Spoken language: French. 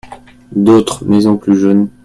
D'autres maisons plus jaunes.